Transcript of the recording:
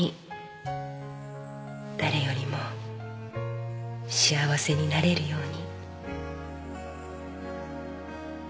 誰よりも幸せになれるように。